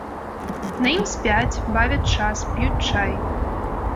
На ім спяць, бавяць час, п'юць чай.